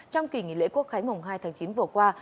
trong kỳ nghỉ lễ quốc khái mồng hai tháng chín vừa qua